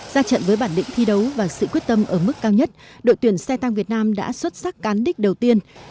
ra trận với bản định thi đấu và sự quyết tâm ở mức cao nhất đội tuyển xe tăng việt nam đã xuất sắc cán đích đầu tiên